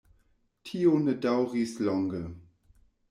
Tio ne daŭris longe.